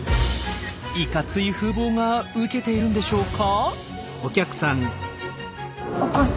いかつい風貌がウケているんでしょうか？